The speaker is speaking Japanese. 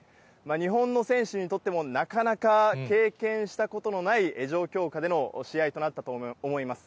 日本の選手にとっても、なかなか経験したことのない状況下での試合となったと思います。